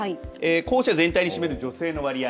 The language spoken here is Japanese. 候補者全体に占める女性の割合